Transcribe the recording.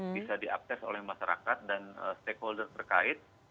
bisa diakses oleh masyarakat dan stakeholder terkait